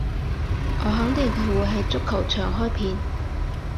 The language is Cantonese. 我肯定佢會喺足球場開片